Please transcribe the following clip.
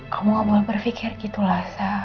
kamu gak boleh berfikir gitu lhasa